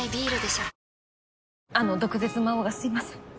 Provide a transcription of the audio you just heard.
あの毒舌魔王がすいません。